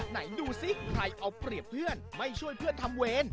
ไหนดูสิใครเอาเปรียบเพื่อนไม่ช่วยเพื่อนทำเวร